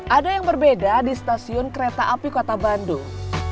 ada yang berbeda di stasiun kereta api kota bandung